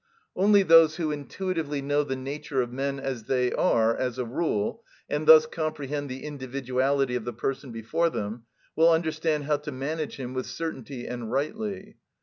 Only those who intuitively know the nature of men as they are as a rule, and thus comprehend the individuality of the person before them, will understand how to manage him with certainty and rightly.